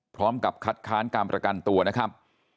พร้อมกับคัดค้านการประกันตัวนะครับ